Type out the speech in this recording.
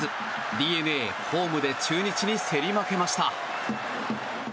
ＤｅＮＡ、ホームで中日に競り負けました。